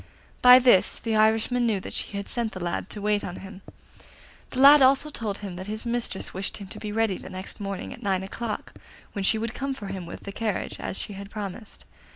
By this the Irishman knew that she had sent the lad to wait on him. The lad also told him that his mistress wished him to be ready next morning at nine o'clock, when she would come for him with the carriage, as she had promised.